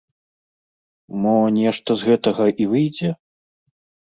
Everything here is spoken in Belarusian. Мо, нешта з гэтага і выйдзе?